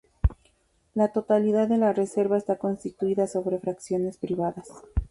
La totalidad de la reserva está constituida sobre fracciones privadas.